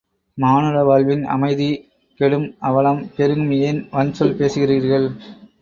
மானுட வாழ்வின் அமைதி கெடும் அவலம் பெருகும் ஏன் வன்சொல் பேசுகிறீர்கள்?